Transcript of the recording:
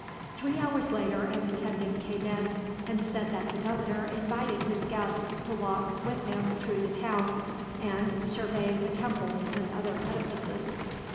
Three hours later an attendant came in, and said that the governor invited his guest to walk with him through the town, and survey the temples and other edifices.